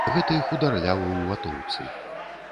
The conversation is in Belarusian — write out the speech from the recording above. Гэты хударлявы ў ватоўцы.